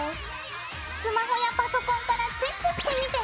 スマホやパソコンからチェックしてみてね。